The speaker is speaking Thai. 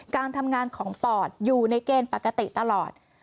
การทำงานของปอดอยู่ในเกณฑ์ปกติตลอด